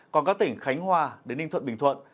còn các tỉnh khánh hòa đến ninh thuận bình thuận